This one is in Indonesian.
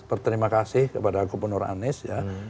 berterima kasih kepada gubernur anies ya